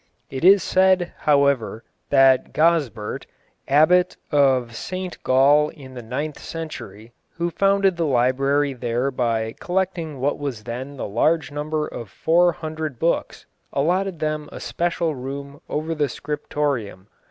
It is said, however, that Gozbert, abbot of St Gall in the ninth century, who founded the library there by collecting what was then the large number of four hundred books, allotted them a special room over the scriptorium.